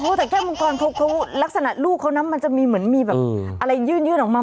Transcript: แต่แก้วมังกรเขาลักษณะลูกเขานะมันจะมีเหมือนมีแบบอะไรยื่นออกมา